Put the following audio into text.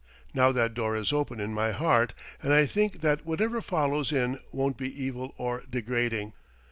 Now that door is open in my heart, and I think that whatever follows in won't be evil or degrading....